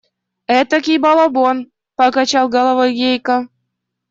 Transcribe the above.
Этакий балабон! – покачал головой Гейка.